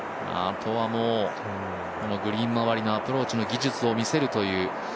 あとはグリーン周りのアプローチの技術を見せるという。